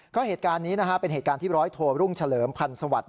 ก็เหตุการณ์นี้นะฮะเป็นเหตุการณ์ที่ร้อยโทรุ่งเฉลิมพันธ์สวัสดิ